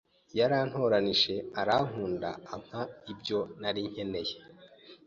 yarantoranyije, arankunda, ampa ibyo narinkeneye,